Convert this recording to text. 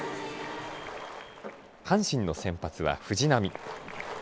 阪神の先発は藤浪。